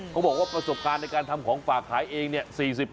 เขาบอกว่าประสบการณ์ในการทำของฝากขายเองเนี่ย